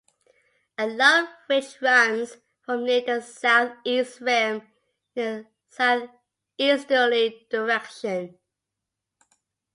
A low ridge runs from near the southeast rim in a southeasterly direction.